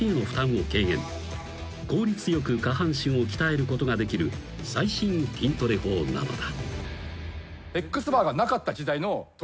［効率よく下半身を鍛えることができる最新筋トレ法なのだ］